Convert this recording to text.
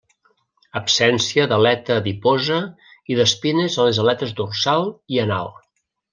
Absència d'aleta adiposa i d'espines a les aletes dorsal i anal.